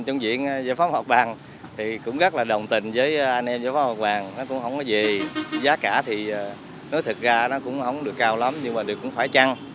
trong diện giáo pháp học bằng thì cũng rất là đồng tình với anh em giáo pháp học bằng nó cũng không có gì giá cả thì nói thật ra nó cũng không được cao lắm nhưng mà cũng phải chăng